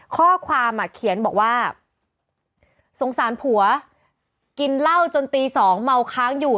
ข้อความเขียนบอกว่าสงสารผัวกินเหล้าจนตี๒เมาค้างอยู่